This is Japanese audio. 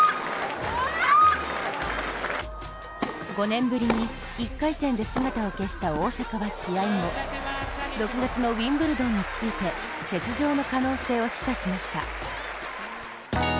５年ぶりに１回戦で姿を消した大阪は試合後、６月のウィンブルドンについて欠場の可能性を示唆しました。